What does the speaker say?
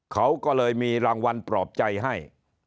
เขาก็เลยมีรางวัลปลอบใจให้